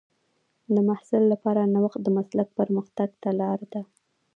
د محصل لپاره نوښت د مسلک پرمختګ ته لار ده.